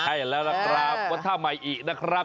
ใช่แล้วล่ะครับวัดท่าใหม่อีกนะครับ